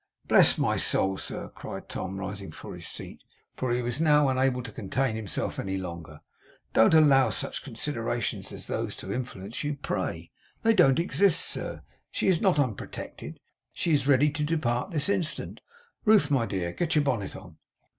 'Bless my soul, sir!' cried Tom, rising from his seat; for he was now unable to contain himself any longer; 'don't allow such considerations as those to influence you, pray. They don't exist, sir. She is not unprotected. She is ready to depart this instant. Ruth, my dear, get your bonnet on!